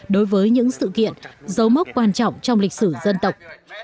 đối với những sự kiện dấu mốc quan trọng trong lịch sử dân tộc